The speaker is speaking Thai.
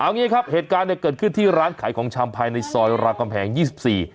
งี้ครับเหตุการณ์เนี่ยเกิดขึ้นที่ร้านขายของชำภายในซอยรามกำแหงยี่สิบสี่